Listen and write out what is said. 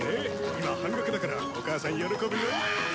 今半額だからお母さん喜ぶよ。